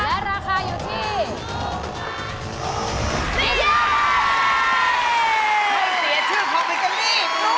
และราคาอยู่ที่